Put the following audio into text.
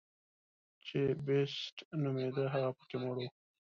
چې بېسټ نومېده هغه پکې مړ و.